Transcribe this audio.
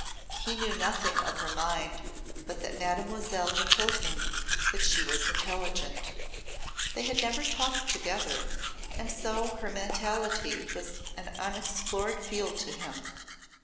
He knew nothing of her mind but that Mademoiselle had told him that she was intelligent. They had never talked together and so her mentality was an unexplored field to him.